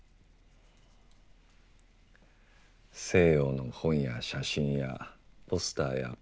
西洋の本や写真やポスターやプログラム。